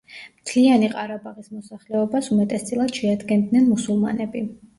მთლიანი ყარაბაღის მოსახლეობას, უმეტესწილად შეადგენდნენ მუსულმანები.